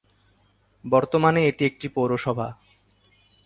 বর্তমানে এটি একটি পৌরসভা।